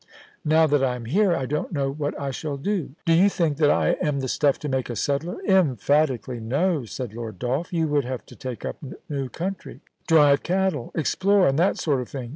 Now that I am here I don't know what I shall do. Do you think that I am the stuff to make a settler P' * Emphatically no,' said Lord Dolph. * You would have to take up new country, drive cattle, explore, and that sort of thing.